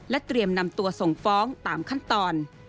เตรียมนำตัวส่งฟ้องตามขั้นตอน